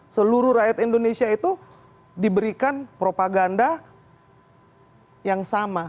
seluruh rakyat indonesia itu diberikan propaganda yang sama